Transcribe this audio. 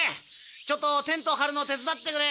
ちょっとテント張るの手伝ってくれ！